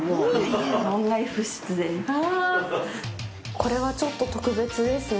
これはちょっと特別ですね。